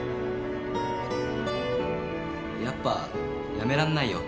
やっぱやめらんないよ。